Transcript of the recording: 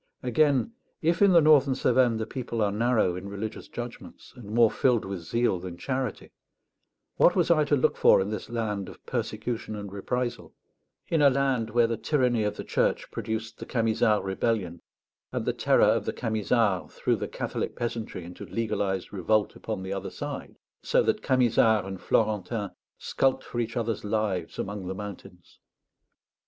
Again, if in the northern Cevennes the people are narrow in religious judgments, and more filled with zeal than charity, what was I to look for in this land of persecution and reprisal in a land where the tyranny of the Church produced the Camisard rebellion, and the terror of the Camisards threw the Catholic peasantry into legalized revolt upon the other side, so that Camisard and Florentin skulked for each other's lives among the mountains?